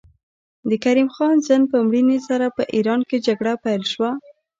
د کریم خان زند په مړینې سره په ایران کې جګړه پیل شوه.